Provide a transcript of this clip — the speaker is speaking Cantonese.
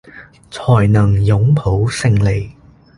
才能擁抱勝利